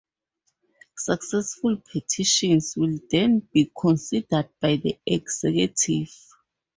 Successful petitions will then be considered by the Executive.